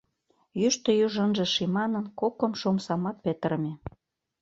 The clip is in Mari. Йӱштӧ юж ынже ший манын, кокымшо омсамат петырыме.